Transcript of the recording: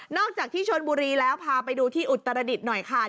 อกจากที่ชนบุรีแล้วพาไปดูที่อุตรดิษฐ์หน่อยค่ะ